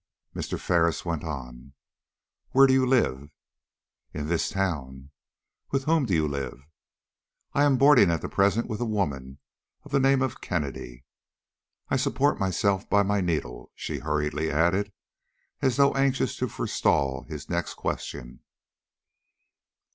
Mr. Ferris went on. "Where do you live?" "In this town?" "With whom do you live?" "I am boarding at present with a woman of the name of Kennedy. I support myself by my needle," she hurriedly added, as though anxious to forestall his next question.